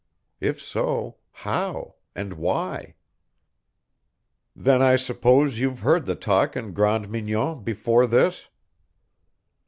If so, how and why? "Then I suppose you've heard the talk in Grande Mignon before this?"